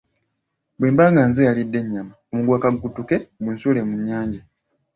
Wemba nga nze eyalidde ennyama , omuguwa kagukutuke gu nsuule mu nnyanja.